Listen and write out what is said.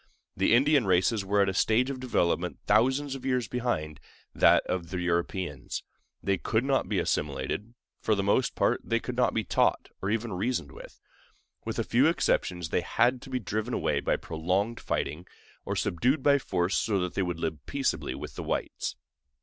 The Indian races were at a stage of development thousands of years behind that of the Europeans. They could not be assimilated; for the most part they could not be taught or even reasoned with; with a few exceptions they had to be driven away by prolonged fighting, or subdued by force so that they would live peaceably with the whites.